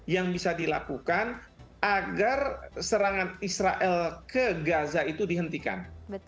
yang bisa dilakukan agar serangan israel ke gaza itu dihentikan